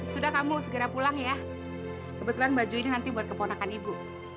sudah kamu segera pulang ya kebetulan baju ini nanti buat keponakan ibu